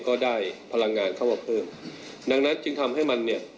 ก็ได้พลังงานเข้ามาเพิ่มดังนั้นจึงทำให้มันเนี่ย